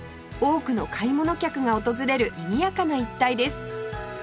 多くの買い物客が訪れるにぎやかな一帯です